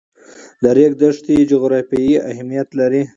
د ریګ دښتې جغرافیایي اهمیت لري.